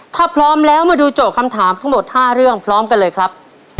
ถ้าพร้อมแล้วมาดูโจทย์คำถามทั้งหมด๕เรื่องพร้อมกันเลยครับ